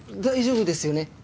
大丈夫ですよね？